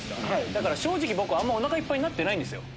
だから正直僕あんまおなかいっぱいになってない。